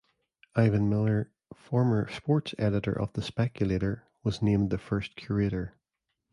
Ivan Miller, former sports editor of The Spectator, was named the first curator.